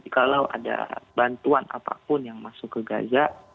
kalau ada bantuan apapun yang masuk ke gaza